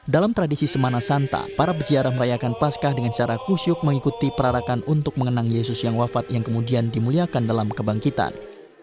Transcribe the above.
dalam tradisi semana santa para peziarah merayakan pascah dengan cara kusyuk mengikuti perarakan untuk mengenang yesus yang wafat yang kemudian dimuliakan dalam kebangkitan